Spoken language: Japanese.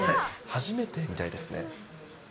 初めてみたいですね。